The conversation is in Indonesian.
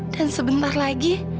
dan sebentar lagi